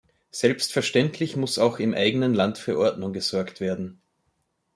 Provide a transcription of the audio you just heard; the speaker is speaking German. Selbstverständlich muss auch im eigenen Land für Ordnung gesorgt werden.